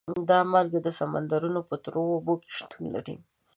دا مالګه د سمندرونو په تروو اوبو کې شتون لري.